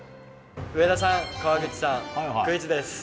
上田さん、川口さんにクイズです。